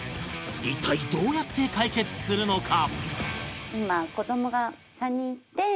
一体どうやって解決するのか